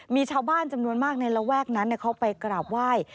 มีชาวบ้านจำนวนมากในระแวกนั้นเขาไปกราบไหว้